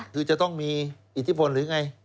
คือจะต้องมีอิทธิพลหรือไง